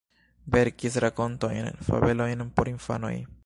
Verkis rakontojn, fabelojn por infanoj.